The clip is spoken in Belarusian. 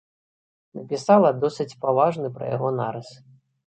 Напісала досыць паважны пра яго нарыс.